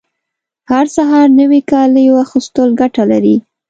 هر سهار نوي کالیو اغوستل ګټه لري